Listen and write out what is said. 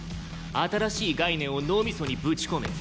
新しい概念を脳みそにぶち込め。